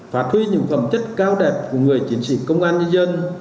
phát huy những phẩm chất cao đẹp của người chiến sĩ công an nhân dân